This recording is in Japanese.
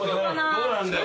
どうなんだよ？